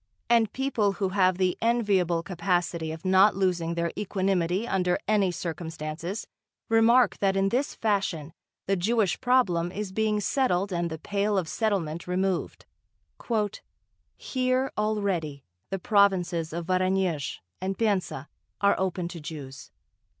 And people who have the enviable capacity of not losing their equanimity under any circumstances, remark that in this fashion the Jewish problem is being settled and the Pale of Settlement removed. "Here already the provinces of Voronezh and Penza are opened to Jews....